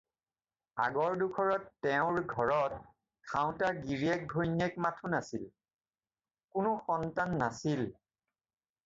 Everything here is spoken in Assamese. আগডোখৰত তেওঁৰ ঘৰত খাওঁতা গিৰীয়েক-ঘৈণীয়েক মাথোন আছিল, কোনো সন্তান নাছিল।